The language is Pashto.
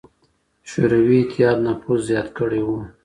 شوروي اتحاد نفوذ زیات کړی و.